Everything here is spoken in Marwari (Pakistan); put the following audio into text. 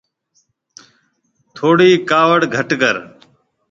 ٿُوڙِي ڪاوڙ گهٽ ڪر۔